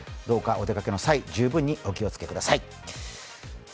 どうぞお出かけの際、十分にお気をつけください。